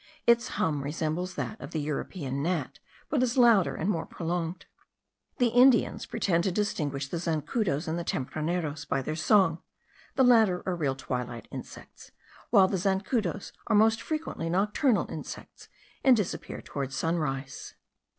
Its hum resembles that of the European gnat, but is louder and more prolonged. The Indians pretend to distinguish the zancudos and the tempraneros by their song; the latter are real twilight insects, while the zancudos are most frequently nocturnal insects, and disappear toward sunrise.